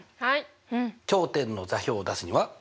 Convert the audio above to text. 頂点の座標を出すには？